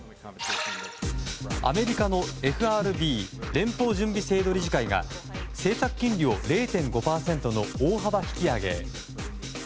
アメリカのＦＲＢ・連邦準備制度理事会が政策金利を０．５％の大幅引き上げへ。